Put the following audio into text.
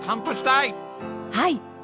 はい。